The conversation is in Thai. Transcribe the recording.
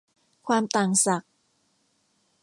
ความต่างศักย์